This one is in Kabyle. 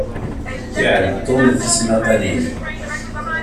Iɛall Ṭum tismaqalin.